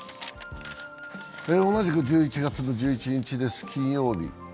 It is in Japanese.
同じく１１月１１日です、金曜日。